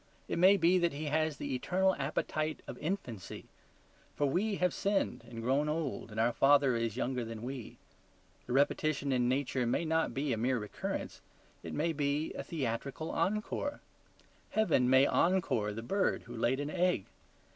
It may be that He has the eternal appetite of infancy; for we have sinned and grown old, and our Father is younger than we. The repetition in Nature may not be a mere recurrence; it may be a theatrical ENCORE. Heaven may ENCORE the bird who laid an egg.